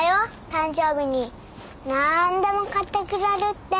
誕生日になあんでも買ってくれるって。